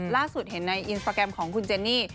ล่าสุดเห็นในอินสตราแกรมของคุณเจนี่